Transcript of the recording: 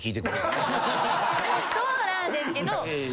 そうなんですけど。